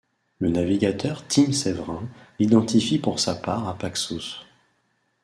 Le navigateur Tim Severin l'identifie pour sa part à Paxos.